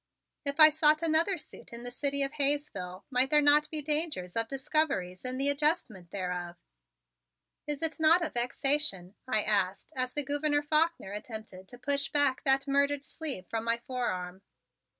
If I sought another suit in the city of Hayesville might there not be dangers of discoveries in the adjustment thereof? "Is it not a vexation?" I asked as the Gouverneur Faulkner attempted to push back that murdered sleeve from my forearm.